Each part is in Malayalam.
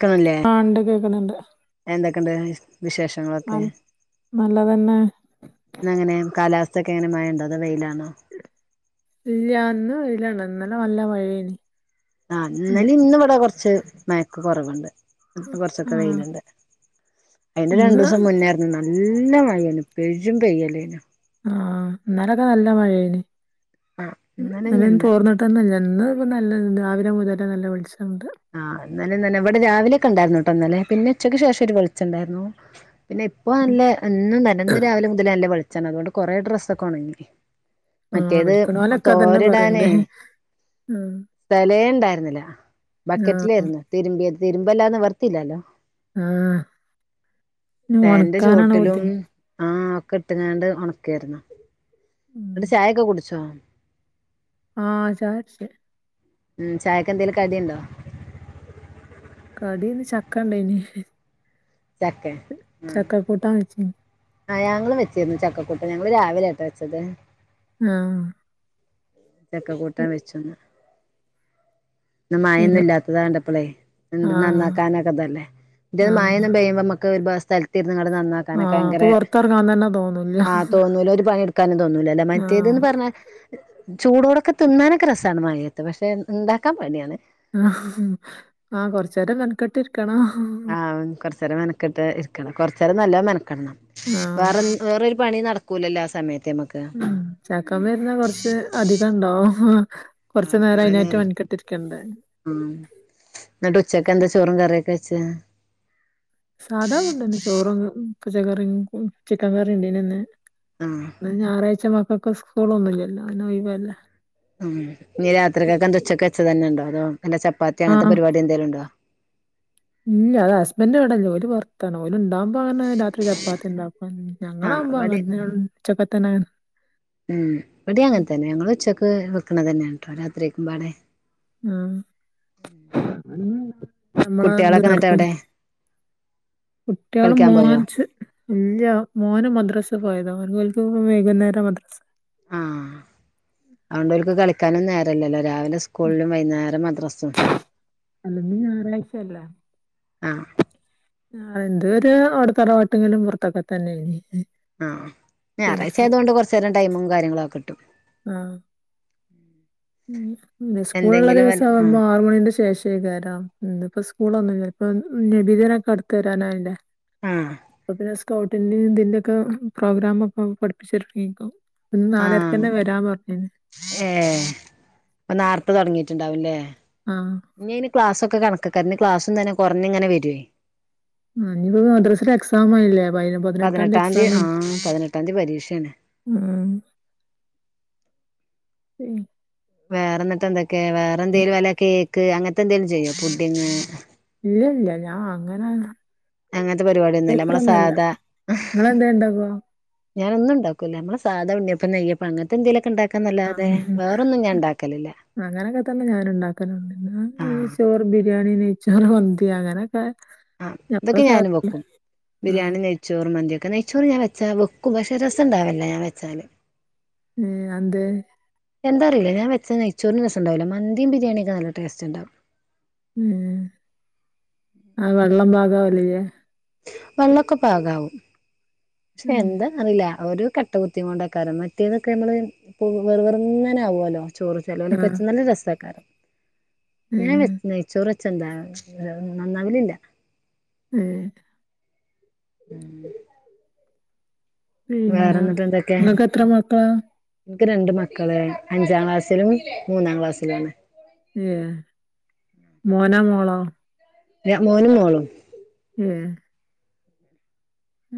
ക്കണില്ലേ ആഹ് ഇണ്ട് കേക്കണണ്ട് എന്തൊക്കെണ്ട് വിശേഷങ്ങള് ന നല്ലതന്നെ ഇന്നങ്ങെനെ കാലാവസ്ഥയൊക്കെ എങ്ങനെ മഴ ഉണ്ടോ അതോ വെയിലാണോ ഇല്ല ഇന്ന് വെയിലാണ് ഇന്നലെ നല്ല മഴയയ്നിം ആഹ് ഇന്നലേം ഇന്നും ഇവിടെ കൊറച്ച് മഴക്ക് കൊറവുണ്ട് ഇപ്പം ആ കൊറച്ചൊക്കെ വെയിലുണ്ട് അയ്ന്റെ ഇന്ന് രണ്ടുസം മുന്നേ നല്ല മഴയാണ് പെരും പെയ്യലേനു ആഹ് ഇന്നലൊക്കെ നല്ല മഴേനിം ആഹ് ഇന്നലെന്നും ഇന്നലെന്നുല്ല തോർന്നിട്ട് ട്ടൊന്നുല്ല ഇന്ന് നല്ല രാവിലെ മുതലേ നല്ല വെളിച്ചണ്ട് ആഹ് ഇന്നലെ തന്നെ ഇവിടെ രാവിലെയൊക്കെ ഉണ്ടായിരുന്നു കേട്ടോ ഇന്നലെ പിന്നെ ഉച്ചക്ക് ശേഷം ഒരു വെളിച്ചണ്ടായിരുന്നു പിന്നെ ഇപ്പൊ നല്ലെ ഇന്നും നല്ലെ രാവിലെ മുതലേ നല്ല വെളിച്ചാണ് അതുകൊണ്ട് കൊറെ ഡ്രസ്സ് ഒക്കെ ഒണങ്ങി ആ മറ്റേത് വിളിക്കണോലൊക്കെ അതന്നെ പറയണ്ട് തോരടാനെയ് ഉം സ്ഥലേ ഇണ്ടായിരുന്നില്ല ആ ബക്കറ്റിലായിരുന്നു തിരുമ്പിയത് തിരുമ്പല്ലാതെ നിവർത്തിയില്ലാല്ലോ ആ ഇനി ഫാന്റെ ഒണക്കാനാണ് ചോട്ടിലും ബുദ്ധിമുട്ട് ആഹ് ഒക്കെ ഇട്ട്ങ്ങാണ്ട് ഒണക്കാരുന്നു ഉം എന്നിട്ട് ചായൊക്കെ കുടിച്ചോ? ആഹ് ചായകുടിച്ചു ഉം ചായക്കെന്തേലും കടിയുണ്ടോ? കടി ഇന്ന് ചക്ക ഇണ്ടായിനിം ചക്കെ ആഹ് ചക്ക കൂട്ടാൻ വെച്ചീനിം ആഹ് ഞങ്ങളും വെച്ചിരുന്നു ചക്കകൂട്ടാൻ ഞങ്ങള് രാവിലെ ആട്ടോ വെച്ചത് ആഹ് ചക്ക കൂട്ടാൻ വെച്ചു ഇന്ന് ഇ മഴൊന്നും ഇല്ലാത്തത് കണ്ടപ്പളെ ആ എന്ത് ആ നന്നാക്കാനൊക്കെതല്ലേ ഇത് മഴൊന്നും പെയ്യുമ്പോ നമ്മക്ക് ഒരു സ്ഥലത്ത് ഇരുന്ന്‌ങ്ങാണ്ട്‌ നന്നാ ആ ആ ക്കാനൊക്കെ ഇപ്പൊ ഭയങ്കര പൊറത്തെറങ്ങാൻ തന്നെ തോന്നൂല്ല ആഹ് തോന്നൂല ഒരു പണിയെടുക്കാനും തോന്നൂല അല്ല ആ മറ്റേതന്ന് പറഞ്ഞാ ചൂടോടൊക്കെ തിന്നാനൊക്കെ രസാണ് മഴേത്ത് പക്ഷെ ഇണ്ടാക്കാൻ പണിയാണ് ആഹ് കൊറച്ചേരം മെനകെട്ടിരിക്കണം ആഹ് കൊറച്ചേരം മെനക്കെട്ട് ഇരിക്കണം കൊറച്ചേരം നല്ലോം മെനക്കെടണം ആഹ് വേറെ വേറൊരു പണിയും നടക്കൂല്ലല്ലോ ആ സമയത്ത് നമ്മക്ക് ആ ചക്കമ്മെ ഇരുന്ന കൊറച്ച് അധികം ഇണ്ടാവും കൊറച്ചു നേരം അയ്നായിട്ട് മെനക്കെട്ടിരിക്കണ്ടെ ആ ന്നിട്ട് ഉച്ചക്ക്‌ എന്താ ചോറും കറിയൊക്കെ വെച്ചത് സാധാ ഫുഡ്ന്നെ ചോറും പച്ചക്കറിയും ചിക്കൻ കറിയും ഉണ്ടെയ്നിം ഇന്ന് ആഹ് ഇന്ന് ഞായറാഴ്ച മക്കക്ക് സ്കൂളൊന്നും ഇല്ലല്ലോ ഇന്ന് ഒഴിവല്ലേ ഉം ഇനി രാത്രിക്കൊക്കെന്ത ഉച്ചക്ക് വെച്ചതെന്നെ ഉണ്ടോ അതോ എന്താ ചപ്പാത്തി അങ്ങനത്തെ ആഹ് പരിപാടി എന്തേലുണ്ടോ ഇല്ല അത് ഹസ്ബൻഡ് ഇവിടെല്ല ഓല് പൊറത്താണ് ഓല് ഇണ്ടാ വുമ്പങ്ങനെ രാത്രി ചപ്പാത്തി ഇണ്ടാക്കും ആഹ് ഞങ്ങളാവുമ്പോ ഇവടേം അങ്ങനെന്നെ ഉച്ചക്കത്തന്നെ ഉം ഇവിടെ അങ്ങനെ തന്നെ ഞങ്ങൾ ഉച്ചയ്ക്ക് വെക്കണ തന്നെയാ കേട്ടോ രാത്രിക്കുമ്പാടെ ആ നമ്മളാ എന്ത് കുട്ടികളൊക്കെ എന്നിട്ട് നടപ്പില്ല എവിടെ കുട്ടികള് കളിക്കാൻ പോയോ മോർച്ച് ഇല്ല മോന് മദ്രാസ് പോയതോ അവപോലക്ക് വൈകുന്നേരം മദ്രാസ് ആഹ അതുകൊണ്ടൊക്ക് കള കാനും നേരല്ലല്ലോ രാവിലെ സ്കൂളിലും വൈകുന്നേരം മദ്രാസും അല്ല നീ ഞായറാഴ്ചയല്ല ആ ആ എന്ത ഒരു അവിടുത്തെറ പട്ടെങ്കിലും പുറത്തൊക്കെ തന്നെയ ആഹ് ഞായറാഴ്ച ആയതുകൊണ്ട് കുറച്ചു നേരം ടൈമും കാര്യങ്ങളൊക്കെ കിട്ടും ആഹ ഉ പിെ സ്കൂള ഉുള്ള എന്തെങ്കിലും വല്ല ദിവസം ആഹ് ആവുമ്പോ ആറുമണിന്റെ ശേഷം ശകരം ഇപ്പ സ്കൂളൊന്നും ചിലപ്പോ നബിതനൊക്കെ അടുത്ത് തരാനായില്ലേ ആഹ അപ്പൊ പിന്നെ സ്കൗട്ടി ഇതിന്റെയൊക്കെ പ്രോഗ്രാമ ഒക്കെ പഠിപ്പിച്ചിരിക്കും ഒന്ന് നാലരക്ക് തന്നെ വരാൻ പറഞ്ഞന് ഏർ അപ്പൊ നോർത്ത് തുടങ്ങിട്ടുണ്ടാവുംല്ലേ ആഹ് ഇനി ഇന് ക്ലാസ്സൊക്കെ കണക്കാര ക്ലാസ തന്നെ കുറഞങ്ങനെ വവേ ആനിയിപ്പോ മദ്രസൽ എക്സാം ആയില്ലേ പതിനെട്ടാംതി പതിനെട്ടാം എക്സാം തീയതി ആ പതിനെട്ടാം തീയതി പരീക്ഷയാണ് ആഹ ശരി [unintelligible] വേറെ എന്നിട്ട് എന്തൊക്കെയ വേറെ എന്തേലും അല്ല കേക്ക് അങ്ങനത്തെ എന്തെേലും ചെയ്യോ പുഡിങ് ഇല്ല ഇല്ല ഞാൻ അങ്ങനെ അങ്ങനത്തെ പരിപാടിയൊന്നുംല്ല നമ്മളെ ബേക്കറൊന്നല്ല സാധാ നിങ്ങളെന്തേ ഇണ്ടാക്കോ ഞാനൻ ഒന്ന ഉണ്ടാക്കൂല്ല നമ്മ സാധാണഉണ്ണിയപ്പ നെയ്യപ്പം അപ്പ അങ്ങനത്തെ എന്തേലൊക്കെണ്ടാക്കൻന്നല്ലാതെ വേറൊന്നുംഞാൻ ഉണ്ടാക്കലില്ല അങ്ങനെയൊക്കെ തന്നെ ഞാനൻ ഉണ്ടാക്കാനണ്ട് ഇന്ന് ഈ ആഹ് ചോറ് ബിരിയാണി നെയ്ച്ചോറ് മന്തി അങ്ങനെ മ [unintelligible] ആ ഇതൊക്കെ ഞാനും വെക്കും ആഹ് ബിരിയാണി ചോറ് മന്തിൊക്കെ നെയ്ച്ചോറ് ഞാ വച്ചാ വെക്കും പക്ഷെ രസംണ്ടാവില്ല ഞാൻ വെച്ചാൽ ഉ അന്തേ എന്താറിയില്ല ഞൻ വെച്ച നച്ചോന് രസ ഉണ്ടാവില്ല മീയും ബരിയാണിയൊെ നല്ല ടസ്റ്റ് ഉണ്ടാവും ഉം ആ വെള്ളം പാഗാവലേ വെള്ളമൊക്കെ പാകവും പക്ഷെ എന്താ അറില്ല ഒരു ക കട്ട കുത്തി കൊണ്ടക്കാര മറ്റേതൊക്കെ നമ്മള് വെറുവെറുന്നനെ ആകുമല്ലോ ചോറ് ചിലോൽവെച്ച ആഹ് നല്ല രസക്കാരം ഞാൻ ഏഹ് വെച്ച നെയ്ചോർ വെച്ചെന്താ നന്നാവലില്ല ഏ [inaudible] വേറെ പിന്നെ എന്നിട്ട് എന്തൊക്കെ ഇങ്ങൾക്കത്ര മക്കള എനിക്ക് രണ്ട് മക്കള് അഞ്ചാം ക്ലാസ്സിലും മൂന്നാം ക്ലാസ്സിലും ഏ മോന മോളോ മോനും മോളും ഉം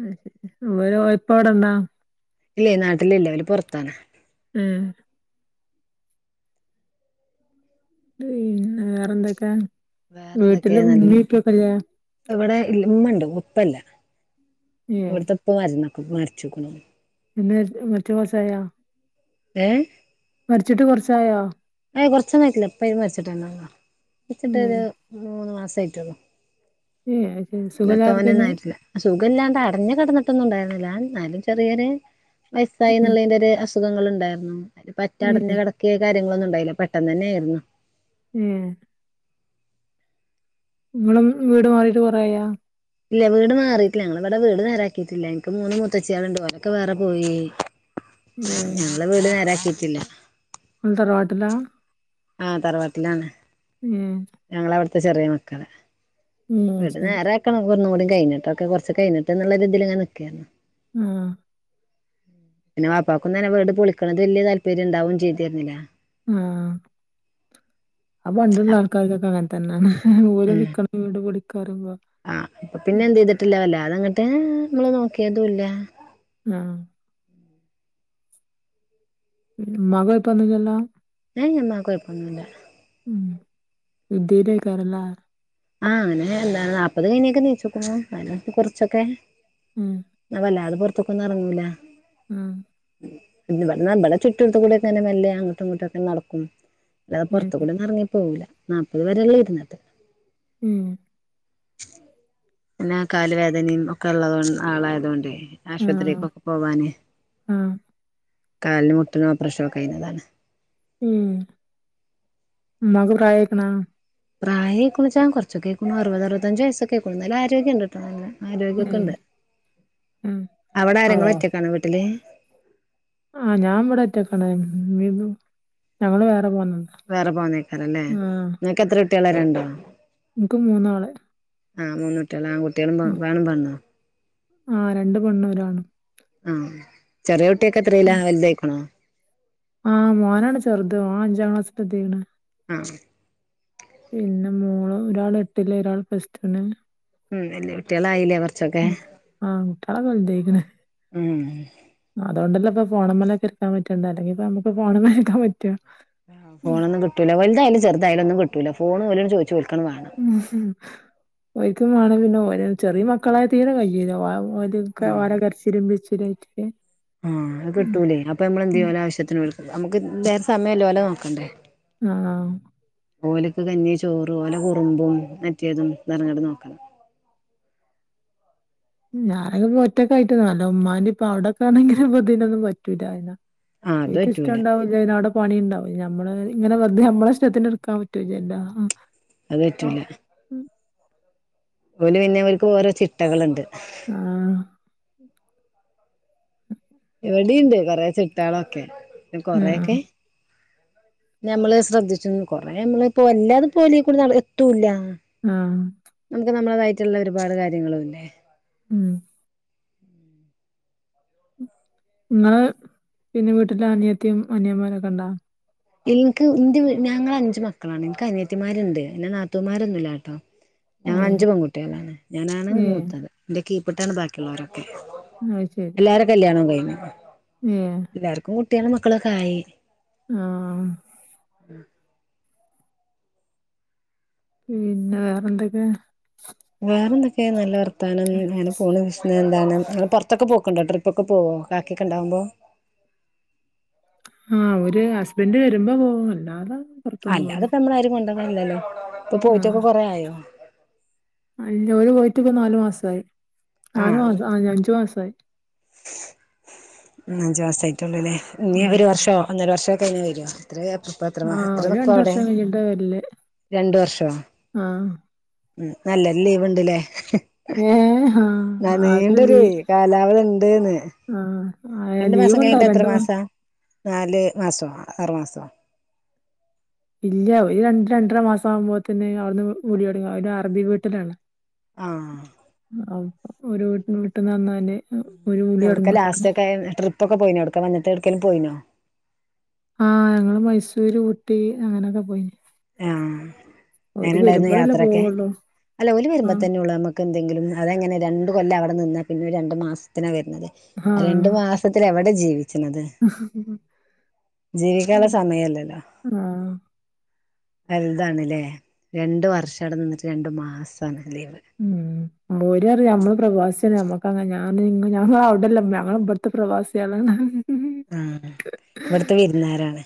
അ ശരി ഇവരെ ഉപ്പ ഇവിടെണ്ടോ ഇല്ലേ നാട്ടിലില്ലേ അവര് പുറത്താണ് ഉം വേറെ എന്തൊക്കാ വീട്ടില് വേറെന്തൊക്കെയാ നല്ല ഉമ്മി ഉപ്പെക്കല്ലെ ഇവിടെ ഉമ്മണ്ട് ഉപ്പല്ല ഏഹ് ഇവിടത്തെ ഉപ്പ മരിച്ക്നു പിന്നെ മറ്റെ പാസ്സായോ ഏഹ് മരിച്ചിട്ട് കുറച്ചായോ ഏ കുറച്ചന്നും ആയിട്ടില്ല ഇപ്പ മരിച്ചിട്ട്ന്നെ ഉള്ളു ഏഹ് മരിച്ചിട്ടരു മൂന്ന് മാസആയിറ്റ്ള്ളു ഏഹ് ഹിൻസ് ഇല്ല തോനന്നായിട്ടില്ല സുഖം ഇല്ലാണ്ട് അടഞ്ഞു കിടന്നിട്ടൊന്നുണ്ടാരുന്നില്ല എന്നാലും ചെറിയൊരു വയസ്സായി ഏഹ് എന്നുള്ളതിന്റെ ഒര് അസ് അസുഖങ്ങൾ ഉണ്ടായിരുന്നു ഏഹ് പറ്റടഞ്ഞു കിടക്ക കാര്യങ്ങളൊന്നും ഉണ്ടായില്ല പെട്ടെന്ന് തന്നെ ആയിരുന്നു ഉം നിങ്ങള് വീട് മാറിട്ട് കുറയായോ ഇല്ല വീട് മാറിയിട്ടില്ല ഞങ്ങള് ഇവിടെ വീട് നേരാക്കിയിട്ടില്ല എനിക്ക് മൂന്ന് മുത്തച്ചിയളുണ്ട് ഓലൊക്കെ വേറെ പോയി ഏഹ് ഞങ്ങളെ വീട് നേരാക്കിട്ടില്ല തറവാട്ടിലാ ആഹ് തറവാട്ടിലാണ് ഏഹ് ഞങ്ങള അവിടുത്തെ ചെറിയ മക്കള് ഏഹ് വിട് അയ്ശെരി നേരെ ആക്കണം ഉന്ന് കൂടി കഴിഞ്ഞട്ടൊക്കെ കൊറച്ച് കയിഞ്ഞിട്ട് എന്നുള്ള രീതിയിൽ ഇങ്ങനെ നിക്കേന്നു ആഹ് പിന്നെ വാപ്പാക്കൊന്നും വീട് പൊളിക്കുന്നത് വലിയ താല്പര്യം ഉണ്ടാവു ചെയ്തിരുന്നില്ല ആഹ് ആഹ് പണ്ടുള്ള ആൾക്കാർക്കൊക്കെ അങ്ങനെ തന്നെയാണ് ഓല് ഉം നിക്ക്ണ വീട് പൊളിക്കാറിമ്പൊ ആഹ് അപ്പൊ പിന്നെ എന്ത് ചെയ്തിട്ടില്ല വല്ലാതെങ്ങട്ട് നമ്മള് നോക്കിയതുല്ല ആഹ് ഉമ്മാക്ക് കുയപ്പൊന്നും ഇല്ലല്ലോ ഏയ് ഉമ്മാക് കുയപ്പന്നുല്ല ഉം ഇദ്ദേലേക്കരംലെ ആഹ് അങ്ങനെ എന്താ നാൽപ്പത് കയിഞെക്കെ നീച്ച്കുന്നു ന്നാലുംപ്പൊ കുറച്ചൊക്കെ ഉം വല്ലാതെ പുറത്തൊക്കൊന്നും എറങ്ങൂല ആഹ് പിന്ന ഇവിടെ ചുട്ടുടുത്തുകൂടെങ്ങനെ മെല്ലെ അങ്ങോട്ടും ഇങ്ങോട്ടുക്കെ നടക്കും അല്ലാതെ ഏഹ് പുറത്ത് കൂടെ ഒന്നു ഇറങ്ങി പോകൂല്ല നാപ്പത് വരെയുള്ളു ഇരുന്നത് ഉം പിന്നെ കാല് വേദനയും ഒക്കെ ഉള്ള ആളായതോണ്ട് ആഹ് ആശുപത്രിക്കൊക്കെ പോവാന് ആഹ് കാലിന് മുട്ടിന് ഓപ്പറേഷനൊക്കെ കഴിഞ്ഞതാണ് ഉം ഉമ്മാക് പ്രായായ്ക്ക്ണോ പ്രായെക്കുണുച്ച കുറച്ചൊകേക്കണു അുപത്റുപത്തഞ്ച് വയസക്കെക്കുണു എന്നാലും ആരോഗ്യണ്ട് താനെ ആരോഗ്യക്കെ ഏഹ് ഉണ്ട് ഏഹ് അവിടെ ആരെങ്ങും ആവോ വറ്റേക്കണോ വീട്ടില് ആഹ് ഞാൻ ഇവിടെ ഒറ്റക്കാണേ ഞങ്ങള് വേറെ പോന്ന് വേറെ പോകുന്നേക്കാരല്ലേ ഇങ്ങക്ക് എത്ര കുട്ടികള രണ്ടോ ഇൻക്ക് മൂന്നാൾ ആഹ് മൂന്നൂട്ടികൾ ആൺകുട്ടികൾ വേണും പെണ്ണും ആഹ് രണ്ട് പെണ്ണും ഒരാണും ആഹ് ചെറിയൊട്ടിയൊക്കെ എത്രല്ല ഉം വലുതായിക്കണോ ആഹ് മോനാണ് ചെറുത് ഓൻ അഞ്ചാം ക്ലാസ്സിൽ എത്തിക്കണ് ആഹ് പിന്നെ മോൾ ഒരാൾ എട്ടില് ഒരാൾ പ്ലസ് ടുന് ഉം വല്യകുട്ടികൾ ആയില്ലേ അവർ ഉം ആണ്കുട്ടികള വലുതായിക്ക്ണ് ഉം അതോണ്ടല്ല ഇപ്പോ ഫോണമ്മല് ഒക്കെ ഇര്ക്കാൻ പറ്റണ്ടെ അല്ലങ്കി ഇപ്പോ നമുക്ക് ഫോണമ്മ ഇരിക്കാൻ പറ്റോ അഹ് ഫോണെന്നും കിട്ടൂല വലുതായാലും ചെറുതായാലൊന്നും കിട്ടൂല്ല ഫോൺ ഓല് ചോയിച്ച് ഓൽക്കണ വാണം ഉം ഒയിക്കുമാണം പിന്നെ ഓ ചെറിയ മക്കളായ തീരെ [unintelligible] [unintelligible] ഉം വട കരച്ചിലും പിടിച്ചാലും ആയിട്ടില്ലേ ആഹ് അത് കിട്ടൂലേ അപ്പൊ നമ്മളെന്ത് ചെയ്യും ആവശ്യത്തിന് നമുക്ക് വേറെ സമയമല്ലോഓലോ നോക്കണ്ടേ അഹ് ഓലക്ക് കഞ്ഞി ചോറ് ഓലെ കുറുമ്പും മറ്റേതും നിറങ്ങട്ട് നോക്ക ഞാനക്കൊ ഒറ്റക്കയിട്ട്ന്നല്ലോ ഉമ്മാന്റെ ഇപ്പൊ അവിടൊക്കെ ആണെങ്കി ഇതിനൊന്നും പറ്റൊല ആഹ് അത് എനിക്ക് ഇഷ്ട പറ്റൂല ഉണ്ടാവ ന അവിടെ പണി ഉണ്ടാവും ഞമ്മള് ഇങ്ങനെ വെറുതെ നമ്മള ഇഷ്ടത്തിന് എറക്കാൻ പറ്റോലാലോ അത് പറ്റൂല്ല ഓല് പിന്നെ ഓല്ക്ക് ഓരോ ചിട്ടകളുണ്ട് അഹ് ഇവിടിണ്ട് കൊറെേ ചിട്ടളൊക്കെ കൊറൊക്കെ ആഹ് ഞമ്മള് ശ്രദ്ധിച്ചു കൊറെേ നമ്മള് ഇപ്പോ എല്ലാര്ക്കും ഒരേ പോലെ ഉഹ് എത്തൂല അഹ് നമുക്ക് നമ്മളതായിട്ടുള്ള ഒരുപാട് കാര്യങ്ങളുല്ലേ ഉം നിങ്ങള് പിന്നെ വീട്ടില് അനിയത്തിയും അനിയമാരോക്കെ ഉണ്ടാ എനിക്ക് എന്റെ ഞങ്ങൾ അഞ്ചച് മക്കളാണ് എനിക്ക് അനിയേത്തിമാരുണ്ട് എന്റെ നാത്തൂമാരൊന്നുംല്ലാട്ട ആഹ് ഞാൻ ഏഹ് അഞ്ചു പെകുട്ടികളാണ് ഞാനാണ് ഏഹ് മൂത്തത് എന്റെറെ കീപ്പട്ടാണ് ബാക്കിയുള്ളവരൊക്കെ അയ്ശരി എല്ലാരും കല്യാണം കഴിഞ്ഞു. ഏയെ എല്ലാർക്കും കുട്ടികളും മക്കളൊക്കയി. അഹ് പിന്നെ വേറെ എന്തൊക്കെ വേറെന്തൊക്കെ നല്ല വർത്താനം അങ്ങനെ പോണ് പിന്ന എന്താണ് നിങ്ങൾ പുറത്തൊക്കെ പോക്കണ്ടോ ട്രിപ്പ്ക്കെ പോവോ ക്കാക്കിയൊകെ ഉണ്ടാവുമ്പോ അഹ് ഒരു ഹസ്ബൻഡ് വരുമ്പോ പോകു അല്ലാതെ പുറത്തൊന്നും അല്ല പോവൂല അതിപ്പോ നമ്മൾ ആരും കൊണ്ട ഇല്ലല്ലോ ഇപ്പൊ ആഹ് പോയിട്ടൊക്കെ കൊറേ ആയോ ഓര് പോയിട്ടിപോനാലു മാസായി നാലു ആഹ് മാസം ആ അഞ്ചു മാസ ആയി. അഞ്ചു മാസ ആയിട്ടാള്ളൂ ല്ലേ ഇനീ ഉം ഒരു വർഷോ ഒന്നര വർഷോക്കെ കഴിഞ്ഞ വരോ. [unintelligible] ആഹ് എത്ര ഓര് നിക്കു രണ്ട് അവിടെ വർഷം കഴിഞ്ഞിട്ടാ വരല് രണ്ട് വർഷോ? ആഹ് ഉം നല്ല ലീവ് ഉണ്ട്ല്ലേ? ഏ ഹഹ നാ നീണ്ടൊര് കാലാവധി ഉണ്ട്ന്ന്. ആ ആയാ രണ്ടു മാസം ലീവ് ണ്ടാവും കഴിഞ്ഞിട്ട് എത്ര രണ്ട് മാസം. മാസാ നാല് മാസോ ആറു മാസോ? ഇല്ല ഒരു രണ്ട് രണ്ടര മാസം ആവുമ്പോ തിന് അവിട്ന്ന് വിളി തൊടങ്ങും ഒരു അറബി വീട്ടിലാണ്. ആഹ് [unintelligible] എവ്ട്ക്ക ലാസ്റ്റ് തൊടങ്ങും ഒക്കെ ട്രിപ്പ് ഒക്കെ പോയിനോ എവിട്ക്ക വന്നിട്ട് എടുക്കേലും പോയിനോ? ആഹ് ഞങ്ങള് മൈസൂര് ഊട്ടി അങ്ങനെയൊക്കെ പോയിന്. ആഹ ഓര് എങ്ങനണ്ടായിരുന്നു വരുമ്പളല്ലേ യാത്രൊക്കെ പോവുള്ളൂ അല്ല ഓല് വരുമ്പോ ആഹ് തന്നെ ഉള്ളു നമുക്ക്. എന്തെങ്കിലും അതെങ്ങനെ രണ്ട് കൊല്ലം അവിടെ നിന്നാ പിന്നെ രണ്ടു മാസത്തിനാണ് വരുന്നത് രണ്ട് ആഹ് മാസ [unintelligible] എവിടെ ജീവിക്ക്ണത് ജീവിക്കാള്ള സമയല്ല ലോ. ആഹ് എന്താണ്ലേ രണ്ട് വർഷവ്ടെ നിന്നിട്ട് രണ്ടു മാസാണ് ലീവ്. മ്. മോരറിം അമ്മള് പ്രവാസ്യാല്ലേ ഞമ്മക്കങ്ങനെ ഞാൻ ഞങ്ങ അവിടെല്ല ഇമ്മേ ഞങ്ങ ഇവിട്ത്തെ പ്രവാസ്യാണ്. ആഹ്. ഇവ്ട്ത്തെ വിര്ന്നാരാണ്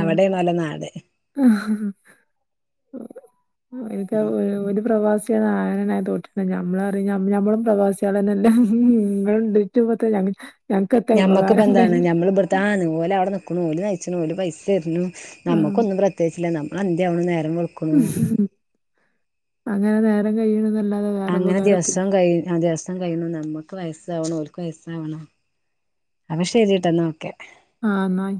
അവിടെണലോ നാട്. ഹ് ഹ് ഹ്. [unintelligible] [unintelligible] ഞമ്മളറിം ഞമ്മളും പ്രവാസ്യളന്നെല്ലേ [unintelligible] മ്മക്കിപ്പ എന്താണ് നമ്മള് എതാന്ന് ഓല അവ്ടെ നിക്ക്ണു ഓല് നയിച്ണു ഓല് പൈസര്ന്നു ആഹ് നമുക്കൊന്നും പ്രത്യേകിച്ചില്ല ന അന്ത്യാവ്ണ് നേരം വെൾ അങ്ങനെ നേരം കഴിയ്ണ് ന്നല്ലാതെ അങ്ങനെ ദിവസം കയ്യും ആ ദിവസ [unintelligible] നമ്മക്ക് വയസാവ്ണു ഓൽക്ക് വയസ്സാവ്ണു അപ്പൊ ശെരീട്ടോ ഇന്നാ ഓക്കെ. ആഹ് ന്നയി